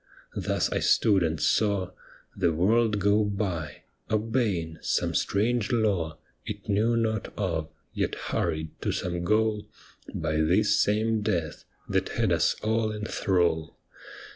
Thus I stood and saw The world go by, obeying some strange law It knew not of, yet hurried to some goal By this same death, that had us all in thrall.